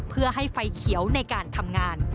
เพื่อให้ไฟเขียวในการทำงาน